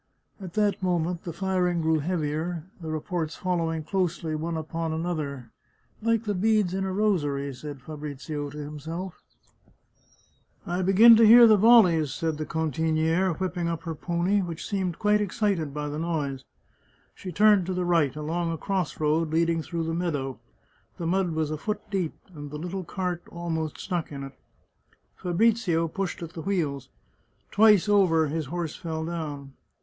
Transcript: At that moment the firing grew heavier, the reports following closely one upon the other, " like the beads in a rosary," said Fabrizio to himself. 38 The Chartreuse of Parma " I begin to hear the volleys," said the cantinihe, whip ping up her pony, which seemed quite excited by the noise. She turned to the right, along a cross road leading through the meadow; the mud was a foot deep, and the little cart almost stuck in it. Fabrizio pushed at the wheels. Twice over his horse fell down.